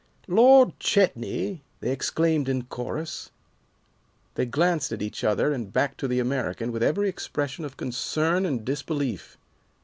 "Lord Chetney!" they exclaimed in chorus. They glanced at each other and back to the American with every expression of concern and disbelief.